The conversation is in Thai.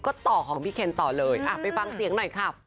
ก็ต่อของพี่เคนต่อเลยไปฟังเสียงหน่อยค่ะ